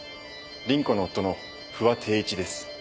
倫子の夫の不破貞一です。